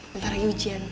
bentar lagi ujian